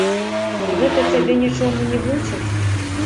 Гэта цябе нічому не вучыць?